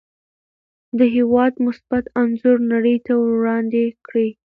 د هېواد مثبت انځور نړۍ ته وړاندې کړئ.